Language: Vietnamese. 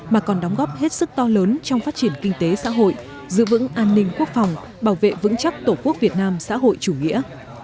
mà còn đóng góp hết sức to lớn trong phát triển kinh tế xã hội giữ vững an ninh quốc phòng bảo vệ vững chắc tổ quốc việt nam xã hội chủ nghĩa